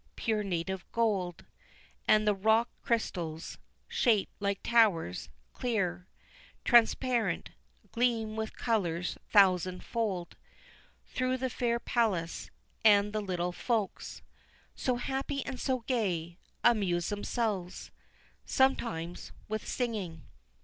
Pure native gold, And the rock crystals, shaped like towers, clear, Transparent, gleam with colours thousand fold Through the fair palace; and the little folks, So happy and so gay, amuse themselves Sometimes with singing."